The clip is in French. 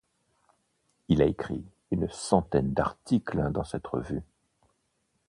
Il a écrit une centaine d'articles dans cette revue.